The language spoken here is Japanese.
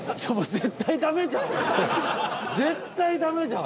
絶対駄目じゃん！